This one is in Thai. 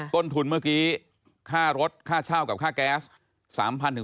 ต้นทุนเมื่อกี้ค่ารถค่าเช่ากับค่าแก๊ส